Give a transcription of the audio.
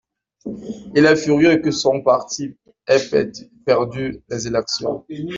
Il est furieux que son parti ait perdu les élections.